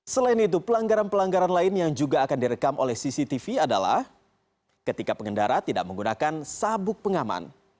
selain itu pelanggaran pelanggaran lain yang juga akan direkam oleh cctv adalah ketika pengendara tidak menggunakan sabuk pengaman